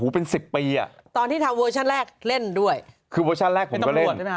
เป็นตรงหนวดใช่มั้ยคะ